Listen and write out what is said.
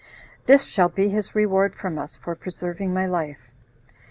This shall be his reward from us, for preserving my life."